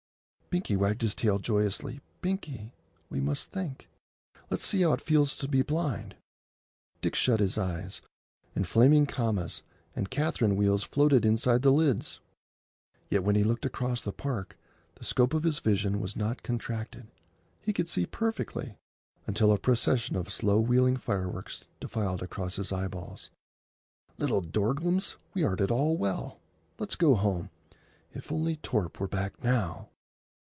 Binkie wagged his tail joyously. "Binkie, we must think. Let's see how it feels to be blind." Dick shut his eyes, and flaming commas and Catherine wheels floated inside the lids. Yet when he looked across the Park the scope of his vision was not contracted. He could see perfectly, until a procession of slow wheeling fireworks defiled across his eyeballs. "Little dorglums, we aren't at all well. Let's go home. If only Torp were back, now!"